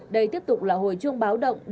đây tiếp tục là hồi chuông báo động